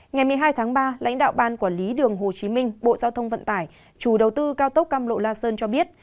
ngày một mươi hai tháng ba lãnh đạo ban quản lý đường hồ chí minh bộ giao thông vận tải chủ đầu tư cao tốc cam lộ la sơn cho biết